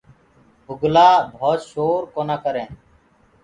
بُگلآ ڀوت شور ڪونآ ڪرينٚ۔